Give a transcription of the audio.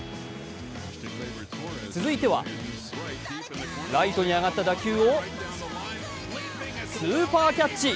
続いては、ライトに上がった打球をスーパーキャッチ。